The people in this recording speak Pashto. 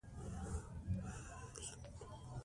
هغه مشهور حديث کې د منکر او فحشا د پلټنې خبره نشته.